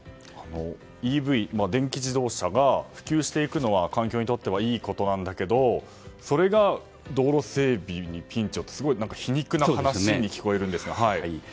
ＥＶ・電気自動車が普及していくのは環境にとってはいいことなんだけどそれが道路整備にピンチってすごく皮肉な話に聞こえますね。